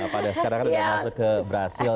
pada sekarang kan sudah masuk ke brazil